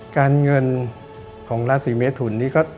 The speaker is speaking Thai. การเงินของราศีเมทุนนี่ก็